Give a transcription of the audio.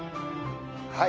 はい。